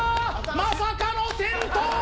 まさかの転倒！